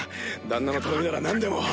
旦那の頼みなら何でも。